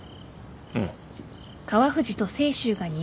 うん。